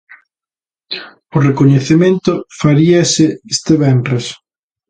O recoñecemento faríase este venres.